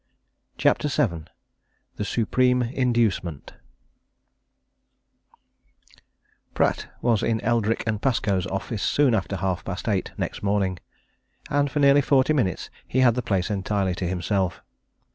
CHAPTER VII THE SUPREME INDUCEMENT Pratt was in Eldrick & Pascoe's office soon after half past eight next morning, and for nearly forty minutes he had the place entirely to himself.